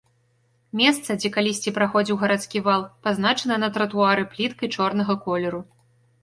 Месца, дзе калісьці праходзіў гарадскі вал, пазначана на тратуары пліткай чорнага колеру.